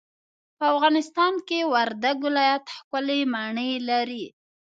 په افغانستان کي وردګ ولايت ښکلې مڼې لري.